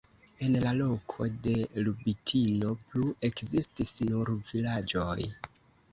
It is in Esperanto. En la loko de Lubitino plu ekzistis nur vilaĝoj.